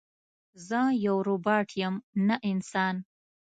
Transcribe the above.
زه یو روباټ یم نه انسان